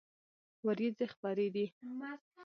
ورېځې خپری دي